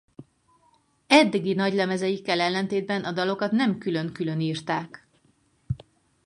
Eddigi nagylemezeikkel ellentétben a dalokat nem külön-külön írták.